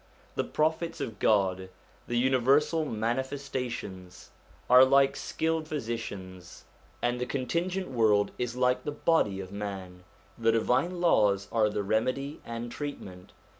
The Prophets of God, the universal Manifestations, are like skilled 182 SOME ANSWERED QUESTIONS physicians, and the contingent world is like the body of man : the divine laws are the remedy and treatment.